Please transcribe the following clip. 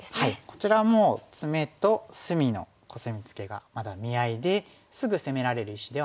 こちらもツメと隅のコスミツケがまだ見合いですぐ攻められる石ではないですね。